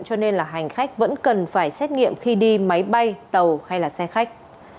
cho nên là hành khách vẫn cần phải xét nghiệm khi đi máy bay tàu hay là xe khách